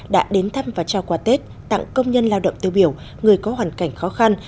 đã đến thăm và trao quà tết tặng công nhân lao động tiêu biểu người có hoàn cảnh khó khăn